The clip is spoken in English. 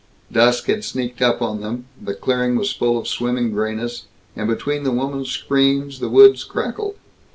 Dusk had sneaked up on them; the clearing was full of swimming grayness, and between the woman's screams, the woods crackled.